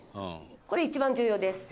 「これ一番重要です」